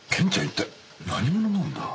一体何者なんだ？